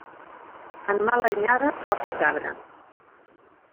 En mala anyada, porc i cabra.